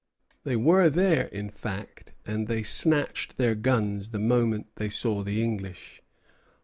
They were there in fact; and they snatched their guns the moment they saw the English.